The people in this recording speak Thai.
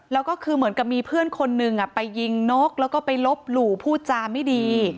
แล้วก็คือเหมือนกับมีเพื่อนคนหนึ่งไปยิงนกแล้วก็ไปลบหลู่พูดจาไม่ดี